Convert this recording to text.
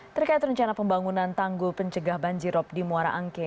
terkait rencana pembangunan tanggul pencegah banjirop di muara angke